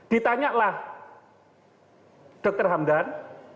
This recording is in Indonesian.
ditanyalah dr hamdan